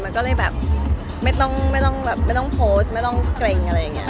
มันก็เลยแบบไม่ต้องโฟสไม่ต้องเกร็ง